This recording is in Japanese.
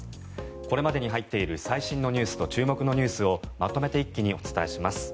これまでに入っている最新ニュースと注目ニュースをまとめて一気にお伝えします。